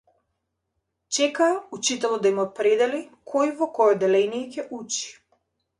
Чекаа учителот да им определи кој во кое одделение ќе учи.